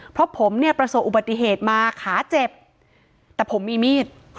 เพราะผมเนี่ยประสบอุบัติเหตุมาขาเจ็บแต่ผมมีมีด